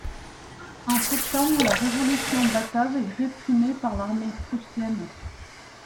En septembre, la Révolution batave est réprimée par l'armée prussienne.